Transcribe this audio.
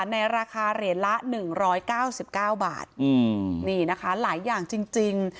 ในราคาเหรียญละหนึ่งร้อยเก้าสิบเก้าบาทอืมนี่นะคะหลายอย่างจริงจริง